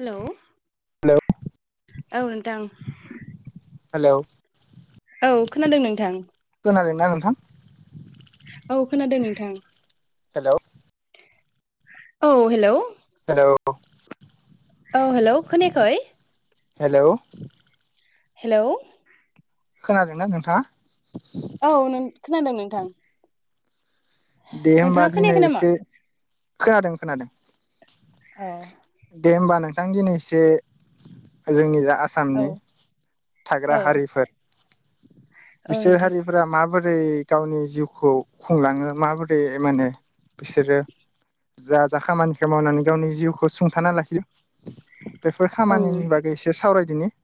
Hello hello औ नोंथां hello औ खोनादों नोंथां खोनादोंना नोंथां औ खोनादो नोंथां हेलौ औ हेलौ हेलौ औ औ हेलौ खोनायाखै हेलौ हेलौ खोनादोंना नोंथाङा औ नों खोनादों नोंथां दे ओमबा नोंथाङा दिनै खोनायाखै नामा एसे खोनादों खोनादों औ दे होमबा नोंथां दिनै एसे जोंनि जा औ आसामनि थाग्रा औ हारिफोर औ बिसोर नोंथां हारिफ्रा माबो रै गावनि जिउखौ खुंलाङो माबोरै मोनो बिसोरो जा जा खामानिखौ मावनानै गावनि जिउ खौ सुंथाना लाखियो बेफोर ओं खामानिनि बागै एसे सावरायदिनि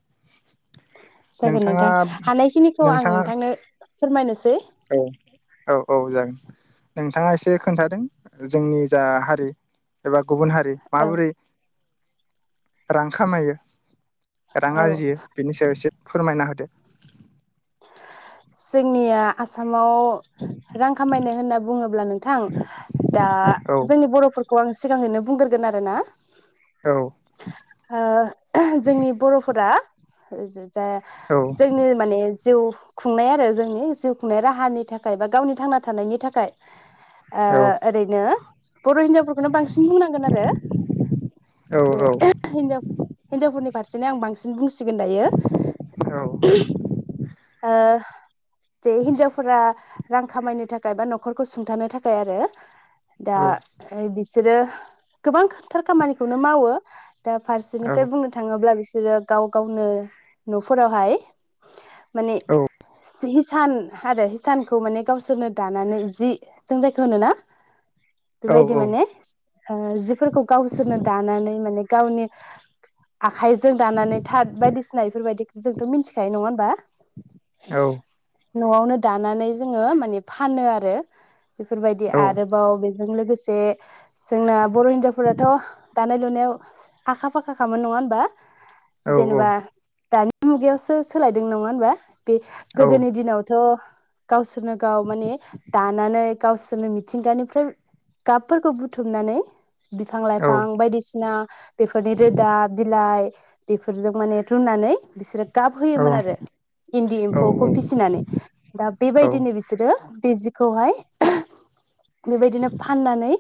जागोन नोंथाङा नोंथां हानायखिनिखौ आं नोंथाङा नोंथांनो फोरमायनोसै औ औ औ जागोन नोंथाङा एसे खोन्थादों जोंनि जा हारि एबा गुबुन हारि औ माबोरै रां खामायो रां औ आरजियो बिनि सायाव एसे फोरमायना होदो जोंनिया आसामाव रां खामायनो होनना बुङोब्ला नोंथां दा औ जोंनि बर'फोर खौ आं सिगाङैनो बुंग्रोगोन आरोना औ ओ जोंनि बर'फोरा जे औ जोंनि माने जिउ खुंनाय आरो जोंनि जिउ खुंनाय राहानि थाखाय बा गावनि थांना थानायनि थाखाय ओ औ ओरैनो बर' हिन्जावफोरखौनो बांसिन बुंनांगोन आरो औ जिनजाव [unintelligible] हिनजावफोरनि फारसेनो आं बांसिन बुंसिगोन दायो औ ओ बे हिनजावफोरा रां खामायनो थाखाय बा न'खरखौ सुंथानो थाखाय आरो दा औ बिसोरो गोबां खा थार खामानिखौनो मावो दा औ फारसेनिफ्राय बुंनो थाङोब्ला बिसोरो गाव गावनो न'फोरावहाय माने औ सि सान आरो हिसानखौ माने गावसोरनो दानानै जि जों जायखो होनोना औ बेबायदि माने जिफोरखौ गावसोरनो दानानै माने गावनि आखाइजों दानानै थाद बायदिसिना इफोरबायदि जोंथ' मिथिखायो नङा ओमबा औ न'वावनो दानानै जोङो माने फानो आरो बेफोरबायदि आरो बाव बेजों लोगोसे जोंना बर' हिनजावफोराथ' दानाय लुनायाव आखा फाखा खामोन नङा ओनबा जेनेबा दानि मुगायावसो सोलायदों नङा होनबा बे गोदोनि दिनावथ' गावसोरनो गाव माने दानानै गावसोरनो मिथिंगानिफ्राय गाबफोरखौ बुथुमनानै बिफां लाइफां बायदिसिना बेफोरनि रोदा बिलाइ बेफोरजों माने रुनानै बिसोरो गाब होयोमोन आरो इन्दि एम्फौखौ फिसिनानै दा बेबायदिनो बिसोरो बे जिखौहाय बेबायदिनो फाननानै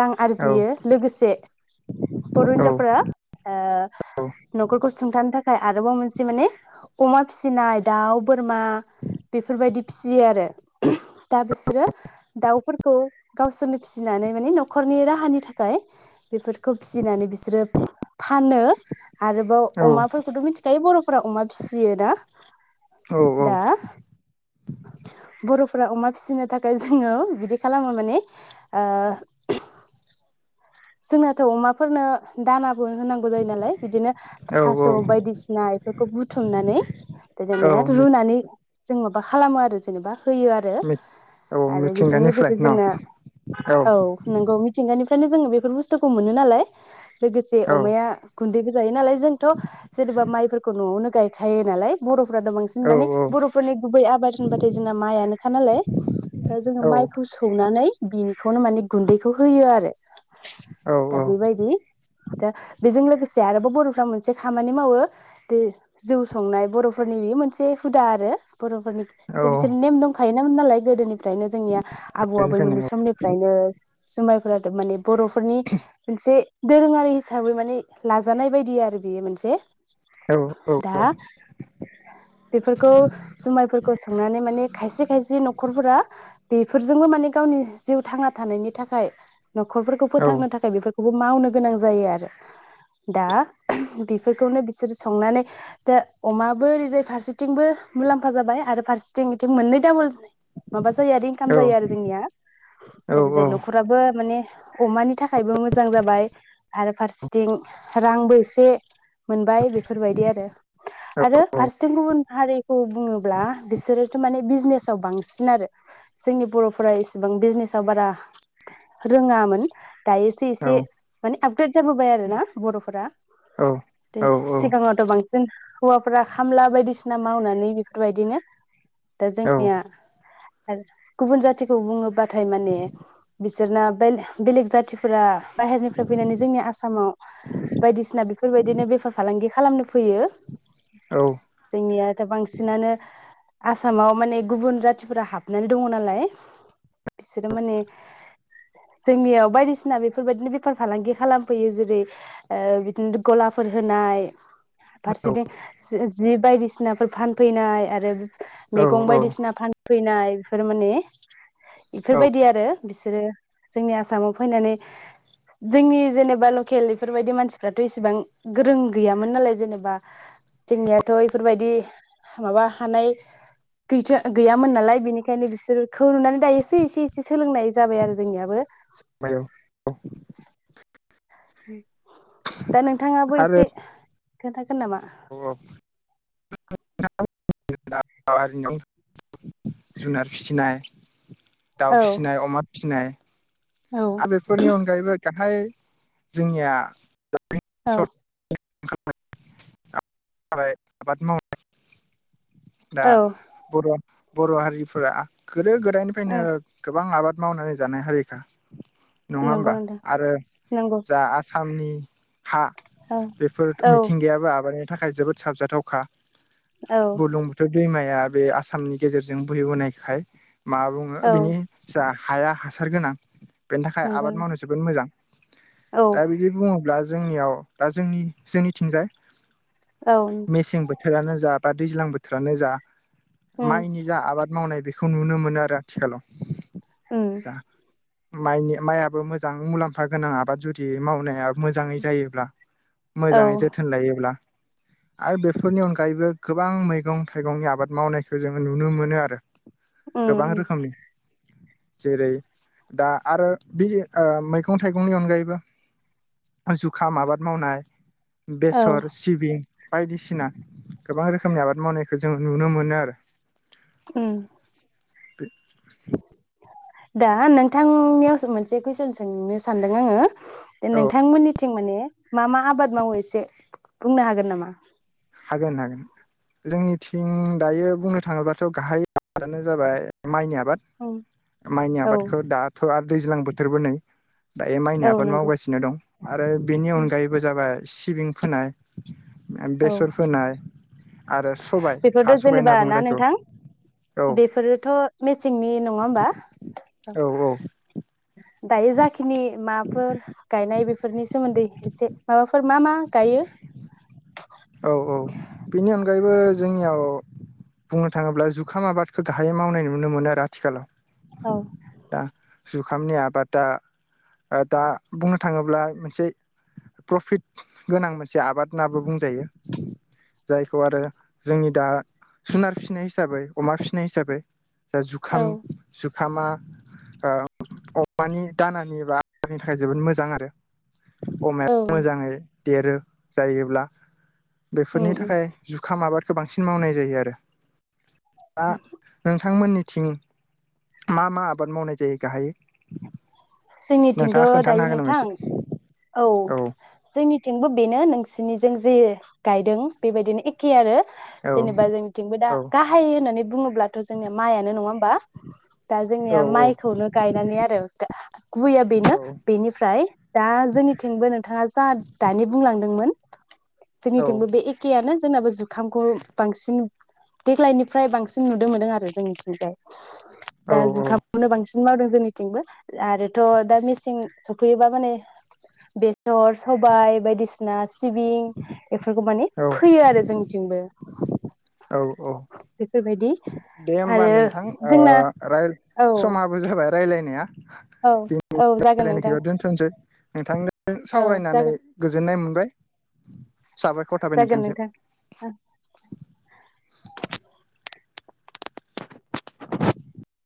रां आरजियो लोगोसे बर' हिनजावफोरा न'खरखौ सुंथानो थाखाय आरोबाव मोनसे माने अमा फिसिनाय दाउ बोरमा बेफोरबायदि फिसियो आरो दा बिसोरो दाउफोरखौ गावसोरनो फिसिनानै माने न'खरनि राहानि थाखाय बेफोरखौ फिसिनानै बिसोरो फानो आरोबाव अमाफोरखौथ' मिथिखायो बर'फोरा अमा फिसियो ना दा बर'फोरा अमा फिसिनो थाखाय जोङो बिदि खालामो माने जोंनाथ' अमाफोरनो दानाबो होनांगौ जायो नालाय बिदिनो औ थास' औ बायदिसिना इफोरखौ बुथुमनानै बिदिनो रुनानै जों माबा खालामो आरो जेनेबा होयो आरो आरो बेजों लोगोसे मिथिंगानिफ्राय न जोंना औ औ नोंगौ मिथिंगानिफ्रायनो जोङो बेफोर बुस्थुखौ मोनो नालाय लोगोसे औ अमाया गुन्दैबो जायो नालाय जोंथ' जेनेबा माइफोरखौ न'आवनो गायखायो नालाय बर'फ्राथ' बांसिन औ माने बर'फोरनि गुबै आबाद होनबाथाय जोंना माइआनोखा नालाय दा जोङो माइखौ औ सौनानै बिनिखौनो माने गुन्दैखौ होयो आरो दा औ बेबायदि दा बेजों लोगोसे आरोबाव बर'फ्रा मोनसे खामानि मावो बे जौ संनाय बर'फोरनि बे मोनसे हुदा आरो बर'फोरनि औ बिसोर नेम दंखायोमोन नालाय गोदोनिफ्रायनो जोंनिया आबौ बेनिखायनो आबैमोननि समनिफ्रायनो जुमायफोराथ' माने बर'फोरनि मोनसे दोरोङारि हिसाबै माने लाजानाय बायदि आरो बेयो मोनसे औ औ दा बेफोरखौ जुमायफोरखौ संनानै माने खायसे खायसे न'खरफोरा बेफोरजोंबो माने गावनि जिउ थांना थानायनि थाखाय न'खरफोरखौ औ फोथांनो थाखाय बेफोरखौबो मावनो गोनां जायो आरो दा बेफोरखौनो बिसोर संनानै दा अमाबो ओरैजाय फारसेथिंबो मुलाम्फा जाबाय आरो फारसेथिं बिथिं मोननै दाबल माबा जायो आरो इनकाम औ जायो आरो जोंनिया औ ओरैजाय न'खराबो माने अमानि थाखायबो मोजां जाबाय आरो फारसेथिं रांबो एसे मोनबाय बेफोरबायदि आरो आरो औ फारसेथिं गुबुन हारिखौ बुङोब्ला बिसोरोथ' माने बिजनेसाव बांसिन आरो जोंनि बर'फोरा इसेबां बिजनेसाव बारा रोङामोन दायो से औ औ इसे माने आपदेत जाबोबाय आरोना बर'फोरा औ औ सिगाङाव बांसिन हौवाफोरा खामला बायदिसिना मावनानै बेफोरबायदिनो दा जोंनिया आरो गुबुन जाथिखौ बुङोबाथाय माने बिसोरना बे बेलेग जाथिफोरा बाहेरनिफ्राय फैनानै जोंनि आसामाव बायदिसिना बेफोरबायदिनो बेफार फालांगि खालामनो फैयो औ जोंनियाथ' बांसिनानो आसामाव माने गुबुन जाथिफोरा हाबनानै दङ' नालाय बिसोरो माने जोंनियाव बायदिसिना बेफोरबायदिनो बेफार फालांगि खालामफैयो जेरै ओ बिदिनो ग'लाफोर होनाय औ फारसेथिं जि बायदिसिनाफोर फानफैनाय आरो औ मैगं बायदिसिना फानफैनाय बेफोर माने इफोरबायदि आरो बिसोरो जोंनि आसामाव फैनानै जोंनि जेनेबा लकेल इफोरबायदि मानसिफ्राथ' इसेबां गोरों गैयामोन नालाय जेनेबा जोंनियाथ' इफोरबायदि माबा हानाय गैथ' गैयामोन नालाय बेनिखायनो बिसोरखौ नुनानै दा एसे एसे एसे सोलोंनाय जाबाय आरो जोंनियाबो [unintelligible] दा नोंथाङाबो एसे खोन्थागोन नामा? औ [unintelligible] [unintelligible] जुनार फिसिनाय दाउ औ फिसिनाय, अमा फिसिनाय औ आरो बेफोरनि अनगायैबो गाहाय जोंनिया [unintelligible] [unintelligible] जाबाय आबाद मावनाय दा औ बर' बर' हारिफोरा औ गोदो-गोदायनिफ्रायनो गोबां आबाद मावनानै जानाय हारिखा नङा नंगौ होमबा नोंथां आरो नंगौ जा आस सामनि हा औ बेफोर औ मिथिंगायाबो आबादनि थाखाय जोबोद साबजाथावखा औ बुरलुं बुथुर दैमाया बे आसामनि गेजेरजों बोहैबोनायखाय मा बुङो औ बिनि जा हाया हासार गोनां बेनि थाखाय नंगौ आबाद मावनो जोबोद मोजां औ दा बिदि बुङोब्ला जोंनियाव दा जोंनि जोंनिथिंजाय औ मेसें बोथोरानो जा बा दैज्लां बोथोरानो जा उम माइनि जा आबाद मावनाय बे खौ नुनो मोनो आरो आथिखालाव उम जा माइ माइआबो मोजां मुलाम्फा गोनां आबाद जुदि मावनाया मोजाङै जायोब्ला औ मोजाङै जोथोन लायोब्ला आरो बेफोरनि अनगायैबो गोबां मै गं थाइगंनि आबाद मावनायखौ जोङो नुनो मोनो आरो उम गोबां उम रोखोमनि जेरै दा आरो बे ओ मैगं थाइगंनि अनगायैबो जुखाम आबाद मावनाय औ बेसर सिबिं बायदिसिना गोबां रोखोमनि आबाद मावनायखौ जोङो नुनो मोनो आरो उम दा नोंथांनियावसो मोनसे कुइसन सोंनो सानदों आङो औ नोंथांमोननिथिं माने मा मा आबाद मावो एसे बुंनो हागोन नामा? हागोन हागोन जोंनिथिं दायो बुंनो थाङोब्लााथ' गाहाय आबादानो जाबाय माइनि आबाद उम माइनि औ आबादखौ दाथ' आरो दैज्लां बोथोरबो नै दायो माइनि औ आबाद नंगौ मावगासिनो दं आरो बेनि अनगायैबो जाबाय सिबिं फोनाय औ बेसर फोनाय आरो सबाय हा बेफोरथ' सबाय होनना जेनेबा बुङो ना जायखौ नोंथां औ बेफोरोथ' मेसेंनि नङा होमबा औ औ दायो जाखिनि माफोर गायनाय बेफोरनि सोमोन्दै एसे माबाफोर मा मा गायो औ औ बेनि अनगायैबो जोंनियाव बुंनो थाङोब्ला जुखाम आबादखौ गाहायै मावनाय नुनो मोनो आरो आथिखालाव औ दा जुखामनि आबादा दा बुंनो थाङोब्ला मोनसे प्रफिट गोनां मोनसे आबाद होनाबो बुंजायो जायखौ आरो जोंनि दा जुनार फिसिनाय हिसाबै अमा फिसिनाय हिसाबै दा औ जुखाम जुखामा अमानि दानानि बा आदारनि थाखाय जोबोद मोजां आरो अमा औ मोजाङै देरो जायोब्ला बेफोरनि उम थाखाय उम जुखाम आबादखो बांसिन मावनाय जायो आरो दा नोंथांमोननिथिं मा मा आबाद मावनाय जायो गाहायै जोंनिथिंथ' नोंथाङा खोन्थानो दायो हागोन नामा नोंथां एसे औ जोंनिथिंबो बेनो नोंसिनिजों जे गायदों बेबायदिनो एख खे आरो जेनेबा जोंथिंबो दा गाहाय होननानै बुङोब्लाथ' जोंनिया माइ आनो नङा होमबा दा जोंनिया औ-औ-औ-औ-औ-औ-औ-औ-औ-औ माइखौनो गायनानै आरो गुबैया बेनो बेनिफ्राय दा जोंनिथिंबो नोंथाङा जा दानि बुंलांदोंमोन जोंनिथिंबो बे ए खेयानो जोंनाबो जुखामखौ बांसिन देग्लायनिफ्राय बांसिन नुदो मोनदों आरो जोंनि थिंजाय दा जुखामखौनो बांसिन मावदों जोंनिथिंबो आरोथ' दा मेसें सफैयोबा माने बेसर सबाइ बायदिसि ना सिबिं एफोरखौ माने फोयो आरो जोंथिंबो दे होमबा आरो नोंथां ओ जोंना राय औ समाबो जाबाय रायलायनाया औ [inaudible] औ जागोन रालाय नायखौ नोंथां इयाव दोनथ'नसै नोंथां जों औ सावरायनानै जागोन गोजोननाय मोनबाय साबायखर थाबाय जागोन नोंथांसिम नोंथां